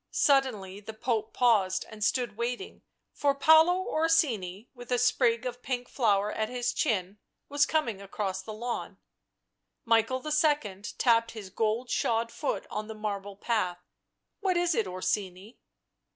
Suddenly the Pope paused and stood waiting, for Paolo Orsini, with a sprig of pink flower at his chin, was coming across the lawn. Michael II. tapped his gold shod foot on the marble path. "What is it, Orsini?"